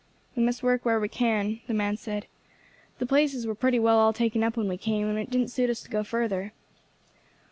"We must work where we can," the man said. "The places were pretty well all taken up when we came, and it didn't suit us to go further."